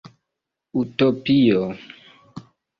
Utopio!